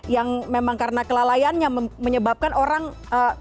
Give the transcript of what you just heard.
yang memang karena kelalaiannya menyebabkan orang